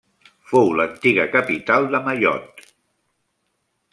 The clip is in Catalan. Fou l'antiga capital de Mayotte.